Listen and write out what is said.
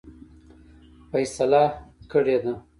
فیصله کړې ده.